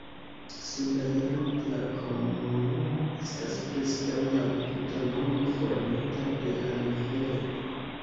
Suda limo de la komunumo estas preskaŭ laŭ tuta longo formita de la rivero.